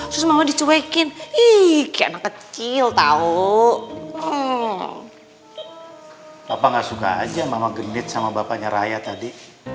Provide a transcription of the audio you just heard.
semoga dicuekin ih kecil tahu eh papa nggak suka aja mama genit sama bapaknya raya tadi